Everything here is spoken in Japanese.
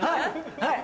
はい！